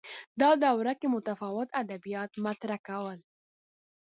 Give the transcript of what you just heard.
دا دوره کې متفاوت ادبیات مطرح کول